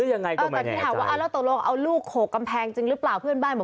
อย่างที่แต่ที่ถามว่าเอาลูกโขกกำแพงจริงหรือเปล่าเพื่อนบ้านบอก